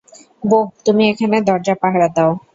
বোহ, তুমি এখানে দরজা পাহারা দাও।